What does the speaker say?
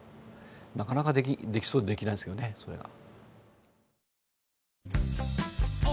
なかなかできそうでできないんすけどねそれが。